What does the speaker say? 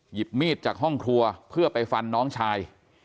หยิบมีดจากห้องครัวเพื่อไปฟันน้องชาย